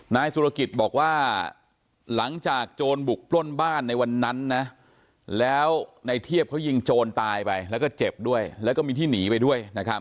นายสุรกิจบอกว่าหลังจากโจรบุกปล้นบ้านในวันนั้นนะแล้วในเทียบเขายิงโจรตายไปแล้วก็เจ็บด้วยแล้วก็มีที่หนีไปด้วยนะครับ